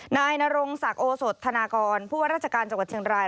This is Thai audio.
นายนรงศักดิ์โอสดธนากรผู้ว่าราชการจังหวัดเชียงราย